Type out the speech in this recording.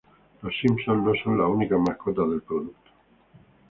Los Simpson no son las únicas mascotas del producto.